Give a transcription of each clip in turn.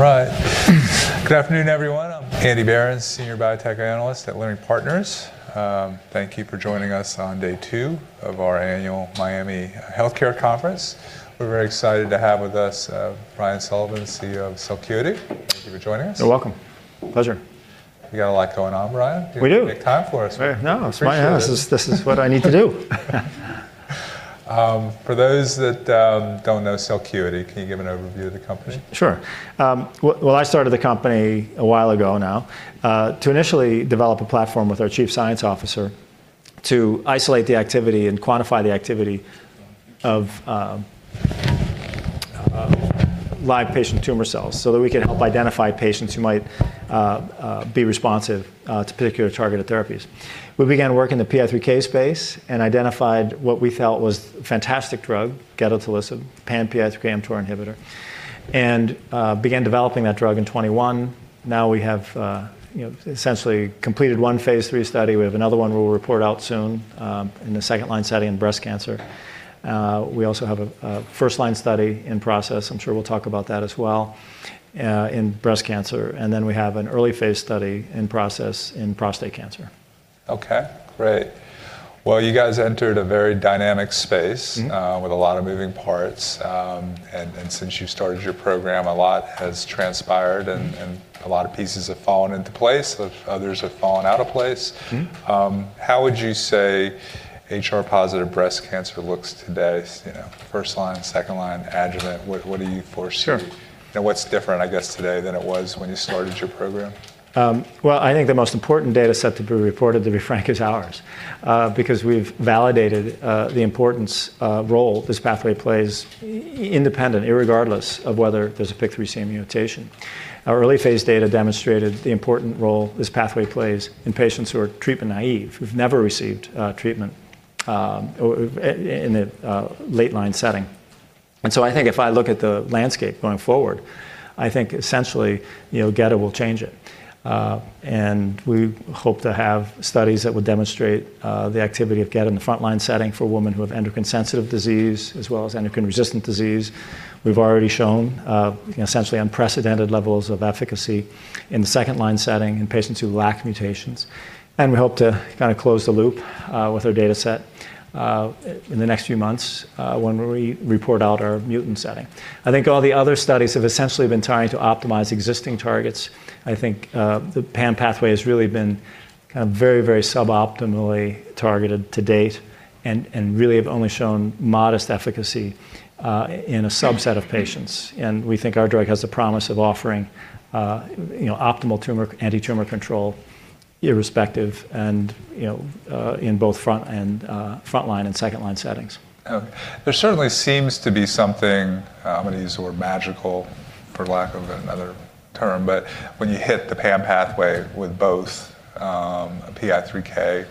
All right. Good afternoon, everyone. I'm Andrew Berens, Senior Biotech Analyst at Leerink Partners. Thank you for joining us on day two of our annual Leerink Global Healthcare Conference. We're very excited to have with us, Brian Sullivan, CEO of Celcuity. Thank you for joining us. You're welcome. Pleasure. You got a lot going on, Brian. We do. You took time for us. We appreciate it. No, it's my honor. This is what I need to do. For those that don't know Celcuity, can you give an overview of the company? Sure. Well, I started the company a while ago now to initially develop a platform with our chief science officer to isolate the activity and quantify the activity of live patient tumor cells so that we can help identify patients who might be responsive to particular targeted therapies. We began working in the PI3K space and identified what we felt was a fantastic drug, gedatolisib, pan-PI3K/mTOR inhibitor, and began developing that drug in 2021. Now we have, you know, essentially completed one phase III study. We have another one we'll report out soon in the second line study in breast cancer. We also have a first line study in process. I'm sure we'll talk about that as well in breast cancer. We have an early phase study in process in prostate cancer. Okay, great. Well, you guys entered a very dynamic space. Mm-hmm. with a lot of moving parts. Since you started your program, a lot has transpired and a lot of pieces have fallen into place. Others have fallen out of place. Mm-hmm. How would you say HR-positive breast cancer looks today? You know, first line, second line, adjuvant. What do you foresee? Sure. What's different, I guess, today than it was when you started your program? Well, I think the most important data set to be reported, to be frank, is ours, because we've validated the important role this pathway plays independent, irregardless of whether there's a PIK3CA mutation. Our early phase data demonstrated the important role this pathway plays in patients who are treatment naive, who've never received treatment, or in a late-line setting. I think if I look at the landscape going forward, I think essentially, you know, gedatolisib will change it. We hope to have studies that will demonstrate the activity of gedatolisib in the front line setting for women who have endocrine-sensitive disease as well as endocrine-resistant disease. We've already shown essentially unprecedented levels of efficacy in the second line setting in patients who lack mutations. We hope to kinda close the loop with our data set in the next few months when we report out our mutant setting. I think all the other studies have essentially been trying to optimize existing targets. I think the PAM pathway has really been kind of very, very suboptimally targeted to date and really have only shown modest efficacy in a subset of patients. We think our drug has the promise of offering you know optimal tumor anti-tumor control irrespective and you know in both front line and second line sttings. Okay. There certainly seems to be something, I'm gonna use the word magical, for lack of another term, but when you hit the PAM pathway with both, a PI3K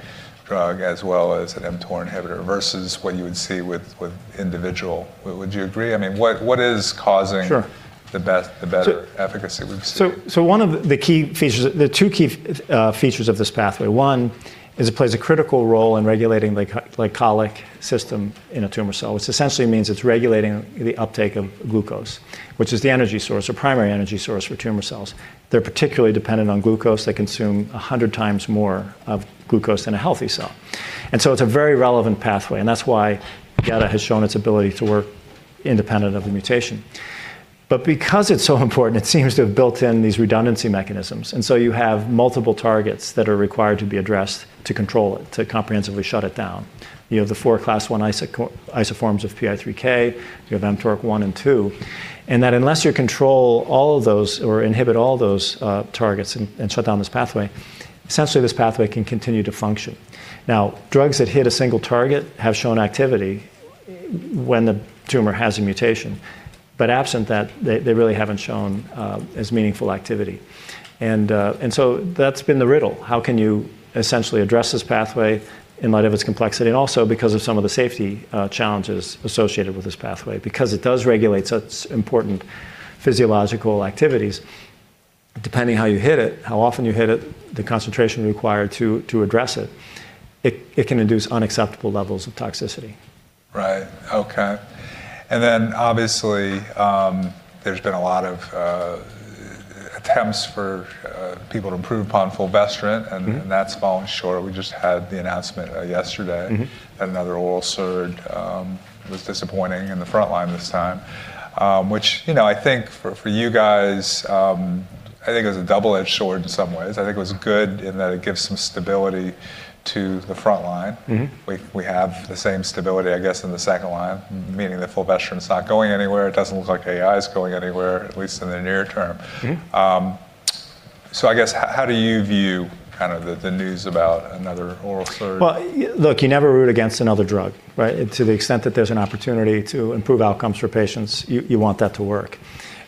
drug as well as an mTOR inhibitor versus what you would see with individual. Would you agree? I mean, what is causing? Sure. -the bet- So- the better efficacy we've seen? There are two key features of this pathway. One is it plays a critical role in regulating the glycolytic system in a tumor cell, which essentially means it's regulating the uptake of glucose, which is the energy source or primary energy source for tumor cells. They're particularly dependent on glucose. They consume 100x more of glucose than a healthy cell. It's a very relevant pathway, and that's why gedatolisib has shown its ability to work independent of the mutation. Because it's so important, it seems to have built in these redundancy mechanisms. You have multiple targets that are required to be addressed to control it, to comprehensively shut it down. You have the four Class I isoforms of PI3K, you have mTOR one and mTOR two. That unless you control all of those or inhibit all those, targets and shut down this pathway, essentially this pathway can continue to function. Now, drugs that hit a single target have shown activity when the tumor has a mutation. Absent that, they really haven't shown, as meaningful activity. So that's been the riddle. How can you essentially address this pathway in light of its complexity? Also because of some of the safety, challenges associated with this pathway. Because it does regulate such important physiological activities, depending how you hit it, how often you hit it, the concentration required to address it can induce unacceptable levels of toxicity. Right. Okay. Obviously, there's been a lot of attempts for people to improve upon fulvestrant. Mm-hmm. That's fallen short. We just had the announcement yesterday. Mm-hmm. That another oral SERD was disappointing in the front line this time. Which, you know, I think for you guys, I think it was a double-edged sword in some ways. I think it was good in that it gives some stability to the front line. Mm-hmm. We have the same stability, I guess, in the second line, meaning that fulvestrant's not going anywhere. It doesn't look like AI's going anywhere, at least in the near term. Mm-hmm. I guess, how do you view kind of the news about another oral SERD? Well, look, you never root against another drug, right? To the extent that there's an opportunity to improve outcomes for patients, you want that to work.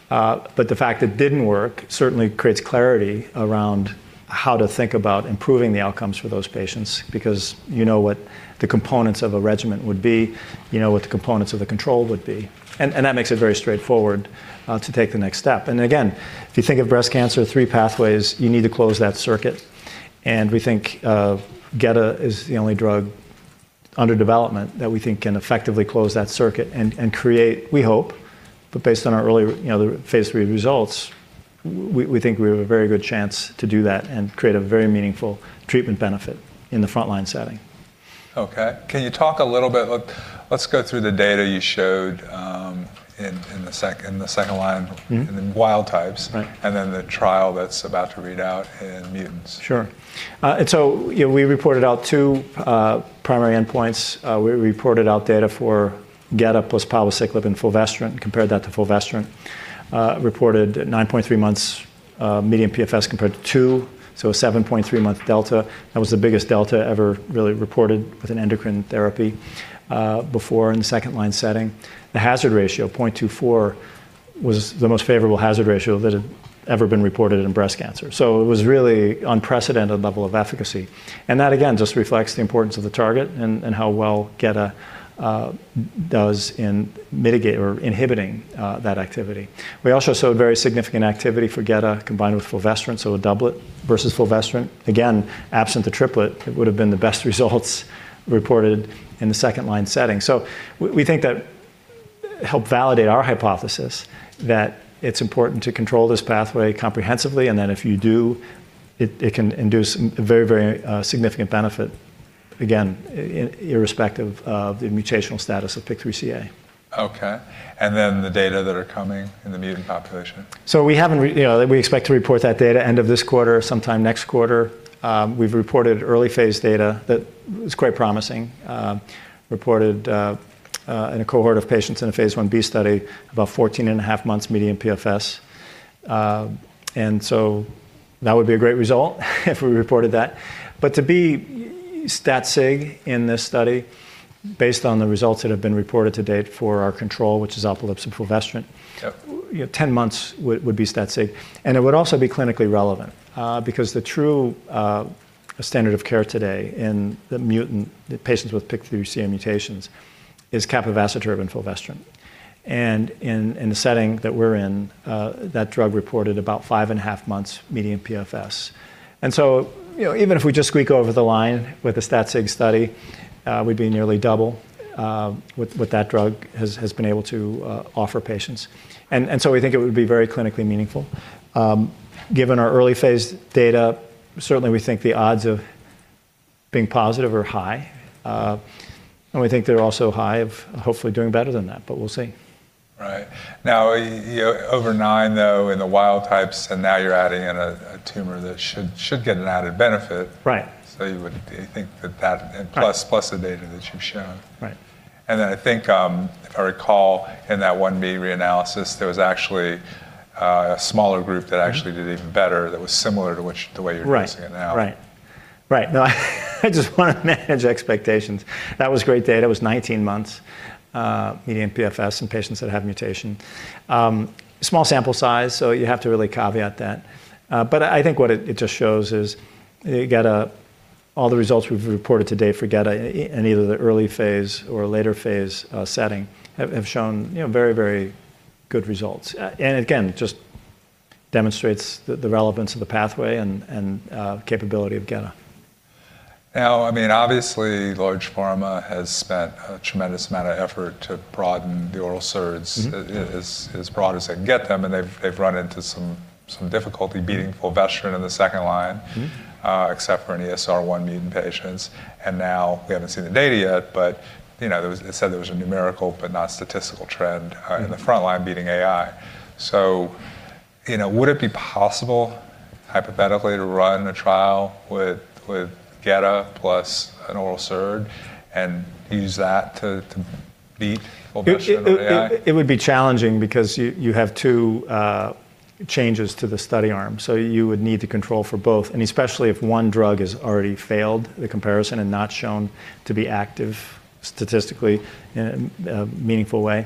The fact it didn't work certainly creates clarity around how to think about improving the outcomes for those patients because you know what the components of a regimen would be, you know what the components of the control would be. That makes it very straightforward to take the next step. Again, if you think of breast cancer, three pathways, you need to close that circuit. We think gedatolisib is the only drug under development that we think can effectively close that circuit and create, we hope, but based on our early, you know, the phase III results, we think we have a very good chance to do that and create a very meaningful treatment benefit in the frontline setting. Look, let's go through the data you showed in the second line. Mm-hmm in the wild types. Right. The trial that's about to read out in mutants. Sure. You know, we reported out two primary endpoints. We reported out data for gedatolisib plus palbociclib and fulvestrant, compared that to fulvestrant. Reported nine point three months median PFS compared to two, so a seven point three-month delta. That was the biggest delta ever really reported with an endocrine therapy before in the second-line setting. The hazard ratio, 0.24, was the most favorable hazard ratio that had ever been reported in breast cancer. It was really unprecedented level of efficacy. That, again, just reflects the importance of the target and how well gedatolisib does in mitigating or inhibiting that activity. We also saw very significant activity for gedatolisib combined with fulvestrant, so a doublet versus fulvestrant. Again, absent the triplet, it would have been the best results reported in the second-line setting. We think that helped validate our hypothesis that it's important to control this pathway comprehensively, and then if you do, it can induce a very significant benefit, again, irrespective of the mutational status of PIK3CA. Okay. The data that are coming in the mutant population? You know, we expect to report that data end of this quarter, sometime next quarter. We've reported early phase data that is quite promising. Reported in a cohort of patients in a phase Ib study about 14.5 months median PFS. That would be a great result if we reported that. To be statistically significant in this study, based on the results that have been reported to date for our control, which is alpelisib + fulvestrant. Yep You know, 10 months would be statistically significant. It would also be clinically relevant because the true standard of care today in the PIK3CA mutant patients with PIK3CA mutations is capivasertib and fulvestrant. In the setting that we're in, that drug reported about five and a half months median PFS. You know, even if we just squeak over the line with a statistically significant study, we'd be nearly double what that drug has been able to offer patients. We think it would be very clinically meaningful. Given our early phase data, certainly we think the odds of being positive are high. We think they're also high of hopefully doing better than that, but we'll see. Right. Now, you know, over nine though in the wild types, and now you're adding in a tumor that should get an added benefit. Right. You would think that. Right Plus the data that you've shown. Right. I think, I recall in that Phase Ib reanalysis, there was actually a smaller group that actually did even better that was similar to which, the way you're- Right using it now. Right. No, I just wanna manage expectations. That was great data. It was 19 months median PFS in patients that have mutation. Small sample size, so you have to really caveat that. But I think what it just shows is gedatolisib, all the results we've reported to date for gedatolisib in either the early phase or later phase setting have shown, you know, very, very good results. Again, just demonstrates the relevance of the pathway and capability of gedatolisib. Now, I mean, obviously, large pharma has spent a tremendous amount of effort to broaden the oral SERDs. Mm-hmm as broad as they can get them, and they've run into some difficulty beating fulvestrant in the second line. Mm-hmm except for in ESR1 mutant patients. Now we haven't seen the data yet, but, you know, they said there was a numerical but not statistical trend. Mm-hmm In the front line beating AI. You know, would it be possible hypothetically to run a trial with gedatolisib plus an oral SERD and use that to beat fulvestrant or AI? It would be challenging because you have two changes to the study arm. You would need to control for both. Especially if one drug has already failed the comparison and not shown to be active statistically in a meaningful way,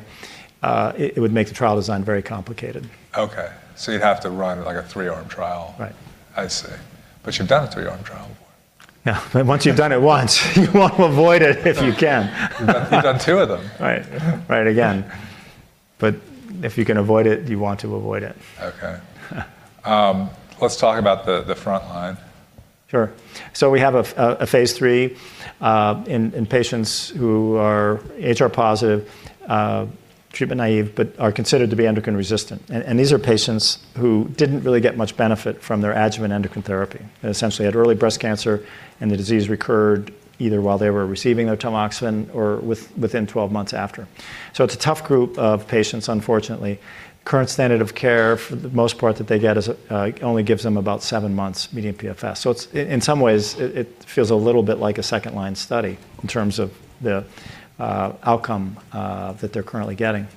it would make the trial design very complicated. Okay. You'd have to run like a 3-arm trial. Right. I see. You've done a three-arm trial before. Yeah. Once you've done it once, you want to avoid it if you can. You've done two of them. Right, again. If you can avoid it, you want to avoid it. Okay. Let's talk about the front line. Sure. We have a Phase III in patients who are HR-positive, treatment naive, but are considered to be endocrine resistant. These are patients who didn't really get much benefit from their adjuvant endocrine therapy. They essentially had early breast cancer, and the disease recurred either while they were receiving their tamoxifen or within 12 months after. It's a tough group of patients, unfortunately. Current standard of care for the most part that they get is only gives them about seven months median PFS. It's in some ways it feels a little bit like a second-line study in terms of the outcome that they're currently getting.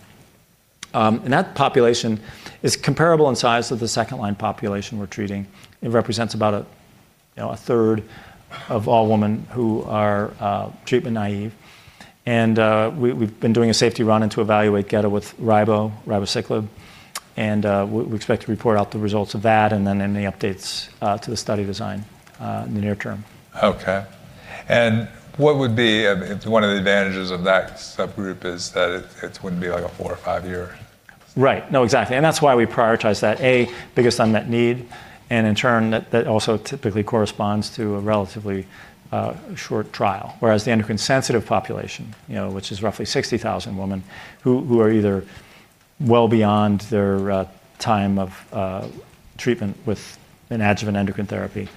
That population is comparable in size to the second-line population we're treating. It represents about, you know, a third of all women who are treatment naive. We've been doing a safety run-in to evaluate gedatolisib with ribociclib, and we expect to report out the results of that and then any updates to the study design in the near term. Okay. What would be I mean, if one of the advantages of that subgroup is that it wouldn't be like a four year or five year- Right. No, exactly. That's why we prioritize that. Biggest unmet need, and in turn, that also typically corresponds to a relatively short trial. Whereas the endocrine sensitive population, you know, which is roughly 60,000 women who are either well beyond their time of treatment with an adjuvant endocrine therapy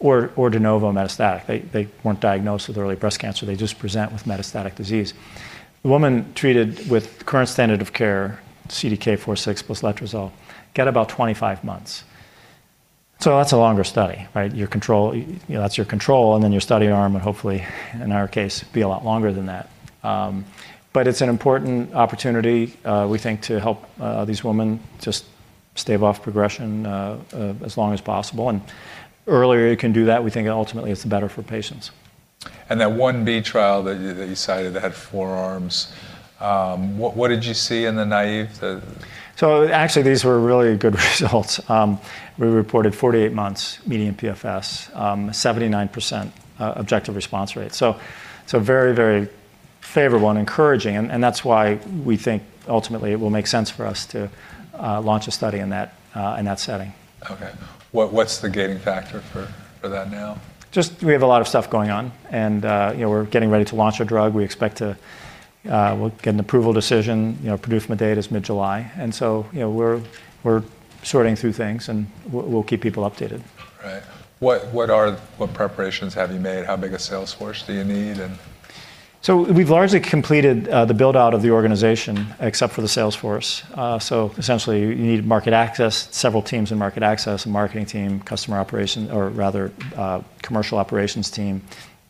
or de novo metastatic. They weren't diagnosed with early breast cancer. They just present with metastatic disease. The women treated with current standard of care, CDK4/6 + letrozole, get about 25 months. That's a longer study, right? Your control. You know, that's your control, and then your study arm would hopefully, in our case, be a lot longer than that. It's an important opportunity, we think to help these women just stave off progression as long as possible. The earlier you can do that, we think ultimately it's better for patients. That one B trial that you cited that had four arms, what did you see in the naive? Actually, these were really good results. We reported 48 months median PFS, 79% objective response rate. Very, very favorable and encouraging, and that's why we think ultimately it will make sense for us to launch a study in that setting. Okay. What's the gating factor for that now? We have a lot of stuff going on, you know, we're getting ready to launch a drug. We'll get an approval decision. You know, PDUFA date is mid-July. You know, we're sorting through things and we'll keep people updated. Right. What preparations have you made? How big a sales force do you need? We've largely completed the build-out of the organization, except for the sales force. Essentially you need market access, several teams in market access, a marketing team, commercial operations team,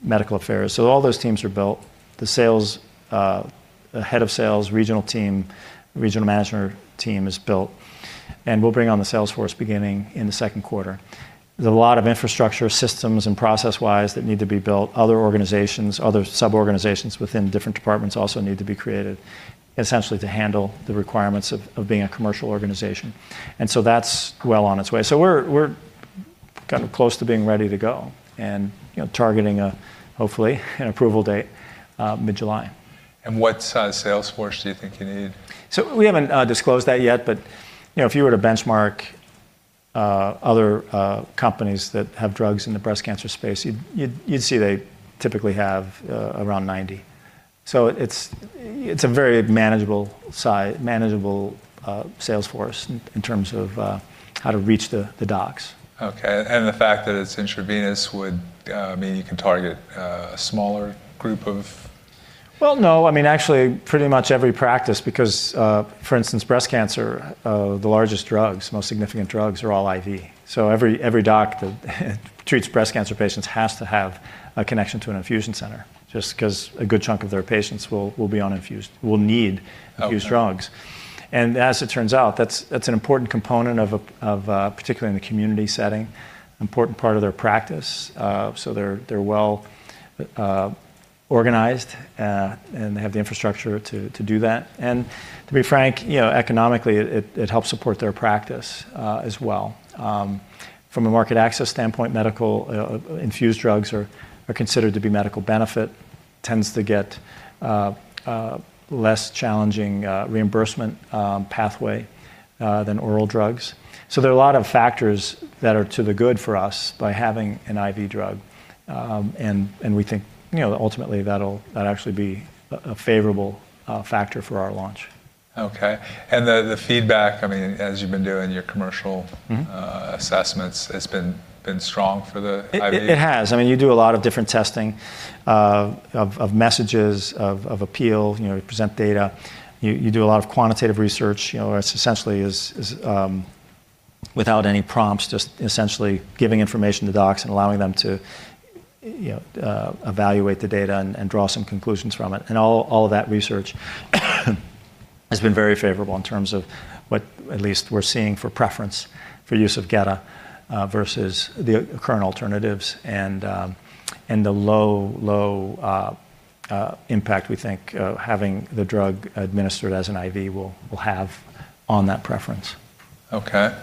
medical affairs. All those teams are built. The sales, the head of sales, regional team, regional manager team is built, and we'll bring on the sales force beginning in the Q2. There's a lot of infrastructure systems and process-wise that need to be built. Other organizations, other sub-organizations within different departments also need to be created essentially to handle the requirements of being a commercial organization. That's well on its way. We're kind of close to being ready to go and, you know, targeting hopefully an approval date mid-July. What size sales force do you think you need? We haven't disclosed that yet. But, you know, if you were to benchmark other companies that have drugs in the breast cancer space, you'd see they typically have around 90. It's a very manageable size, sales force in terms of how to reach the docs. Okay. The fact that it's intravenous would mean you can target a smaller group of- Well, no, I mean, actually pretty much every practice because, for instance, breast cancer, the largest drugs, most significant drugs are all IV. Every doc that treats breast cancer patients has to have a connection to an infusion center just 'cause a good chunk of their patients will need infused drugs. As it turns out, that's an important component of particularly in the community setting, an important part of their practice. They're well organized, and they have the infrastructure to do that. To be frank, you know, economically it helps support their practice, as well. From a market access standpoint, medically infused drugs are considered to be medical benefit, tends to get a less challenging reimbursement pathway than oral drugs. There are a lot of factors that are to the good for us by having an IV drug. We think, you know, ultimately that'd actually be a favorable factor for our launch. Okay. The feedback, I mean, as you've been doing your commercial. Mm-hmm assessments has been strong for the IV? It has. I mean, you do a lot of different testing of messages of appeal. You know, you present data. You do a lot of quantitative research, you know, where it's essentially without any prompts, just essentially giving information to docs and allowing them to, you know, evaluate the data and draw some conclusions from it. All of that research has been very favorable in terms of what at least we're seeing for preference for use of gedatolisib versus the current alternatives and the low impact we think having the drug administered as an IV will have on that preference. Okay.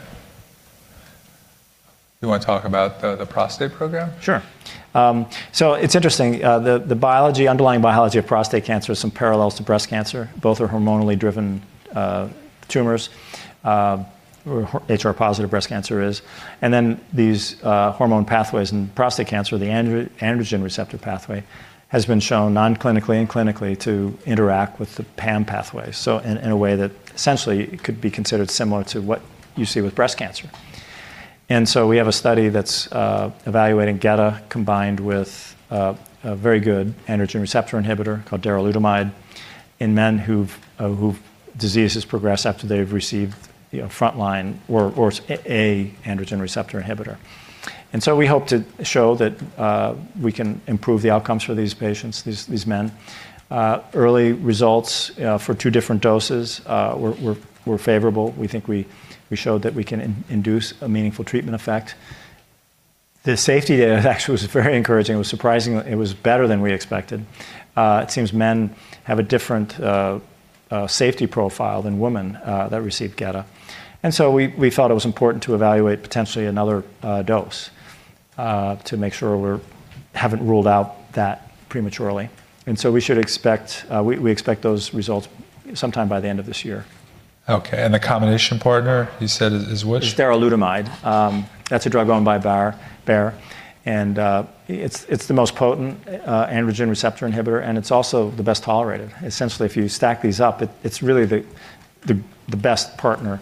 You wanna talk about the prostate program? It's interesting. The underlying biology of prostate cancer has some parallels to breast cancer. Both are hormonally driven tumors. HR-positive breast cancer is. These hormone pathways in prostate cancer, the androgen receptor pathway has been shown non-clinically and clinically to interact with the PAM pathway. In a way that essentially could be considered similar to what you see with breast cancer. We have a study that's evaluating gedatolisib combined with a very good androgen receptor inhibitor called darolutamide in men whose diseases progressed after they've received, you know, frontline or an androgen receptor inhibitor. We hope to show that we can improve the outcomes for these patients, these men. Early results for two different doses were favorable. We think we showed that we can induce a meaningful treatment effect. The safety data actually was very encouraging. It was surprising. It was better than we expected. It seems men have a different safety profile than women that receive gedatolisib. We thought it was important to evaluate potentially another dose to make sure we haven't ruled out that prematurely. We expect those results sometime by the end of this year. Okay. The combination partner you said is which? Darolutamide. That's a drug owned by Bayer. It's the most potent androgen receptor inhibitor, and it's also the best tolerated. Essentially, if you stack these up, it's really the best partner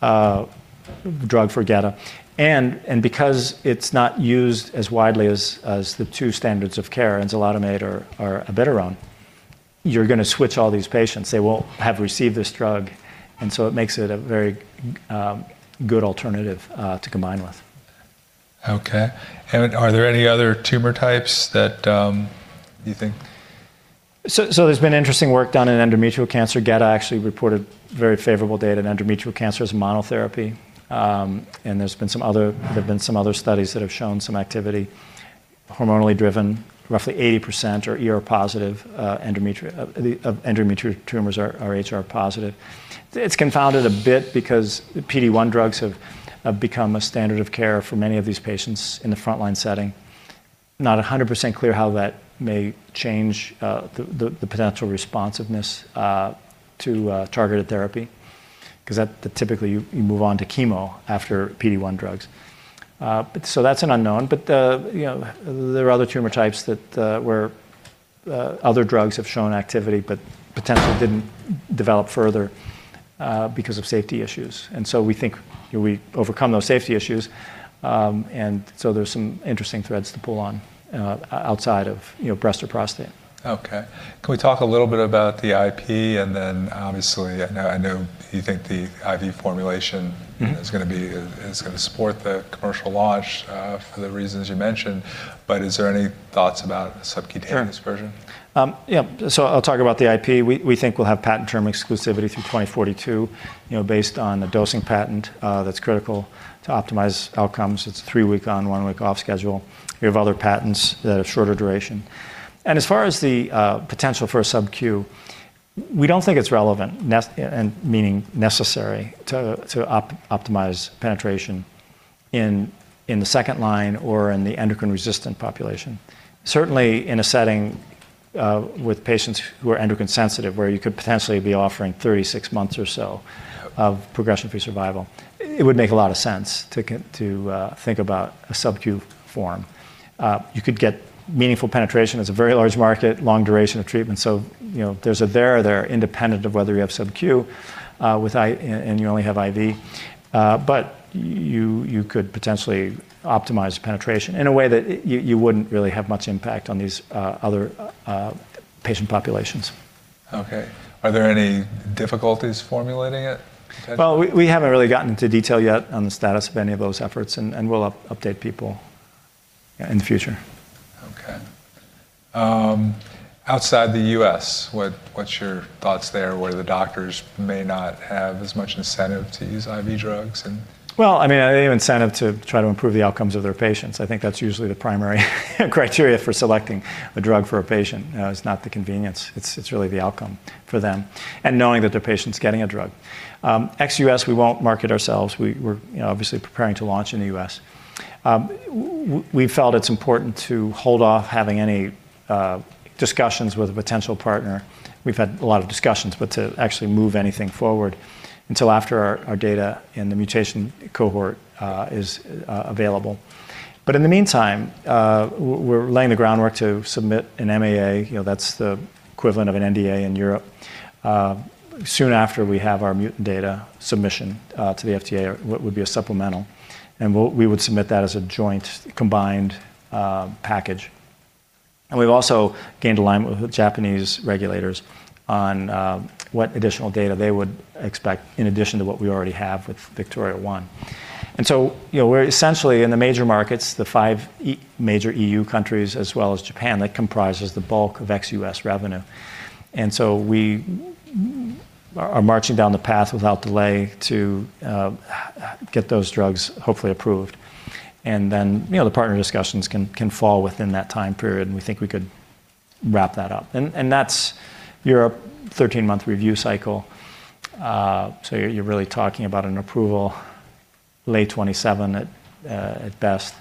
drug for gedatolisib. Because it's not used as widely as the two standards of care, enzalutamide or abiraterone, you're gonna switch all these patients. They won't have received this drug, and so it makes it a very good alternative to combine with. Okay. Are there any other tumor types that you think? there's been interesting work done in endometrial cancer. Gedatolisib actually reported very favorable data in endometrial cancer as monotherapy. there've been some other studies that have shown some activity hormonally driven. Roughly 80% are ER positive, of endometrial tumors are HR-positive. It's confounded a bit because PD-1 drugs have become a standard of care for many of these patients in the frontline setting. Not 100% clear how that may change the potential responsiveness to targeted therapy 'cause typically you move on to chemo after PD-1 drugs. that's an unknown. you know, there are other tumor types where other drugs have shown activity but potentially didn't develop further because of safety issues. We think, you know, we overcome those safety issues. There's some interesting threads to pull on, outside of, you know, breast or prostate. Okay. Can we talk a little bit about the IP? Obviously, I know you think the IV formulation. Mm-hmm Is gonna support the commercial launch for the reasons you mentioned. Is there any thoughts about a subcutaneous version? Sure. I'll talk about the IP. We think we'll have patent term exclusivity through 2042, you know, based on the dosing patent, that's critical to optimize outcomes. It's a three-week on, one-week off schedule. We have other patents that are shorter duration. As far as the potential for a subcu, we don't think it's relevant and meaning necessary to optimize penetration in the second line or in the endocrine-resistant population. Certainly, in a setting with patients who are endocrine sensitive, where you could potentially be offering 36 months or so of progression-free survival, it would make a lot of sense to think about a subcu form. You could get meaningful penetration. It's a very large market, long duration of treatment. You know, there's a there there independent of whether you have subcu with IV and you only have IV. You could potentially optimize penetration in a way that you wouldn't really have much impact on these other patient populations. Okay. Are there any difficulties formulating it potentially? Well, we haven't really gotten into detail yet on the status of any of those efforts, and we'll update people in the future. Okay. Outside the U.S., what's your thoughts there, where the doctors may not have as much incentive to use IV drugs and- Well, I mean, they have incentive to try to improve the outcomes of their patients. I think that's usually the primary criteria for selecting a drug for a patient is not the convenience. It's really the outcome for them and knowing that their patient's getting a drug. Ex-US, we won't market ourselves. We're, you know, obviously preparing to launch in the U.S.. We felt it's important to hold off having any discussions with a potential partner. We've had a lot of discussions but to actually move anything forward until after our data and the mutation cohort is available. In the meantime, we're laying the groundwork to submit an MAA, you know, that's the equivalent of an NDA in Europe, soon after we have our mutation data submission to the FDA, what would be a supplemental. We would submit that as a joint combined package. We've also gained alignment with the Japanese regulators on what additional data they would expect in addition to what we already have with VIKTORIA-1. You know, we're essentially in the major markets, the five major EU countries as well as Japan, that comprises the bulk of ex-US revenue. We're marching down the path without delay to get those drugs hopefully approved. Then, you know, the partner discussions can fall within that time period, and we think we could wrap that up. That's your 13-month review cycle. You're really talking about an approval late 2027 at best.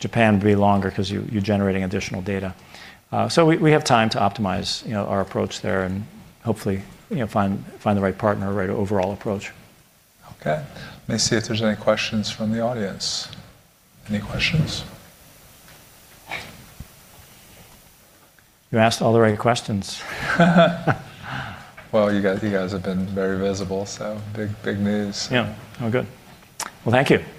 Japan will be longer 'cause you're generating additional data. We have time to optimize, you know, our approach there and hopefully, you know, find the right partner, right overall approach. Okay. Let me see if there's any questions from the audience. Any questions? You asked all the right questions. Well, you guys have been very visible, so big news. Yeah. All good. Well, thank you. Thank you.